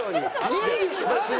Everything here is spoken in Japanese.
いいでしょ別に。